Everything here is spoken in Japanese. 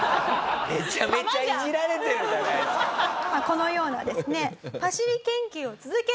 このようなですね